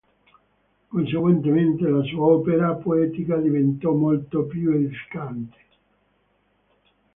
Conseguentemente la sua opera poetica diventò molto più edificante.